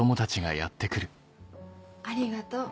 ありがとう。